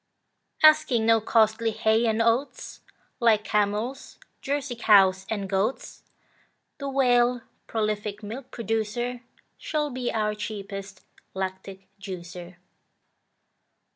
Asking no costly hay and oats, Like camels, Jersey cows, and goats, The Whale, prolific milk producer, Should be our cheapest lactic juicer.